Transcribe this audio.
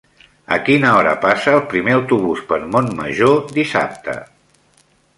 A quina hora passa el primer autobús per Montmajor dissabte?